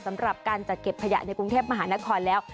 สำหรับการจัดเก็บขยะในกรุงเทพมหานครแล้ว